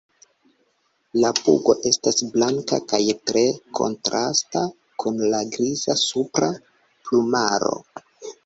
La pugo estas blanka kaj tre kontrasta kun la griza supra plumaro.